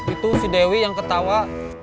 itu si dewi yang ketawa